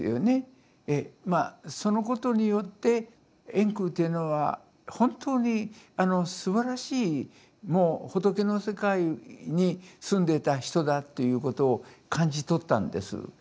そのことによって円空というのは本当にすばらしいもう仏の世界に住んでた人だということを感じ取ったんです。